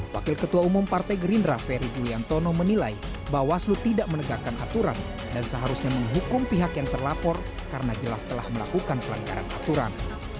wakil ketua umum partai gerindra ferry juliantono menilai bawaslu tidak menegakkan aturan dan seharusnya menghukum pihak yang terlapor karena jelas telah melakukan pelanggaran aturan